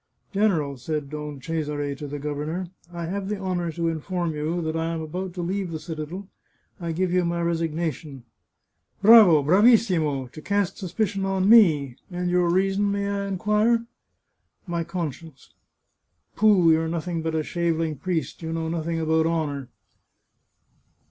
" General," said Don Cesare to the governor, " I have the honour to inform you that I am about to leave the cita del. I give you my resignation," " Bravo ! Bravissimo !... to cast suspicion on me ! And your reason, may I inquire ?"" My conscience." " Pooh ! you're nothing but a shaveling priest. You know nothing about honour."